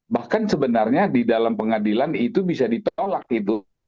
bahkan sebenarnya di dalam pengadilan itu bisa ditolak gitu